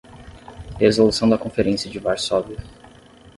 Resolução da Conferência de Varsóvia